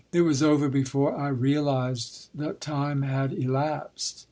It was over before I realized that time had elapsed.